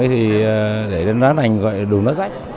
thì để tấm lòng đùm lá rách